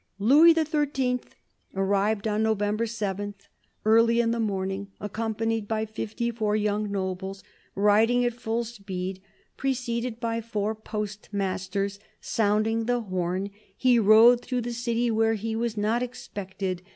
" Louis XIII. arrived on November 7, early in the morning, accompanied by fifty four young nobles, riding at full speed, preceded by four post masters sounding the horn. He rode through the city, where he was not ex pected.